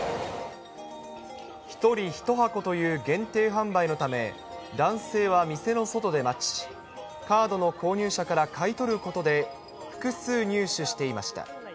１人１箱という限定販売のため、男性は店の外で待ち、カードの購入者から買い取ることで、複数入手していました。